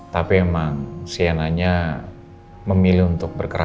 tapi emang si enanya memilih untuk berkeras